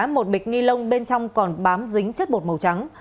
một bịch ni lông bên trong còn bám dính chất bột màu trắng